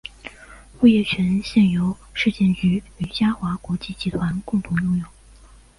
物业权现由市建局与嘉华国际集团共同拥有。